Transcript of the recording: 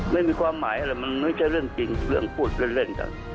ไม่มีความหมายอะไรมันไม่ใช่เรื่องจริงเรื่องพูดเล่นกัน